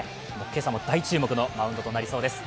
今朝も大注目のマウンドとなりそうです。